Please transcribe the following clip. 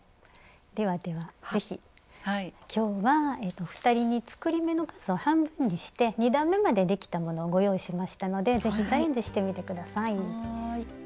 ではでは是非今日はお二人に作り目の数を半分にして２段めまでできたものをご用意しましたので是非チャレンジしてみて下さい。